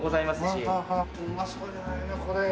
うまそうじゃないのこれ。